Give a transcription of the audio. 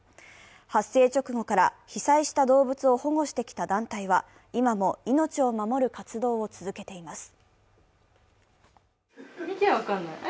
発生直後から被災した動物を保護してきた団体は今も命を守る活動を続けています。